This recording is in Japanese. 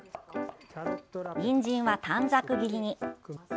にんじんは短冊切りに。